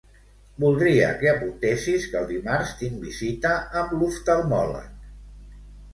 Voldria que apuntessis que el dimarts tinc visita amb l'oftalmòleg.